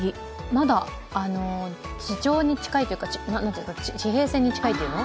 まだ地上に近いというか地平線に近いというの？